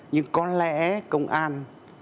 nhưng có lẽ công an